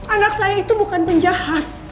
anak saya itu bukan penjahat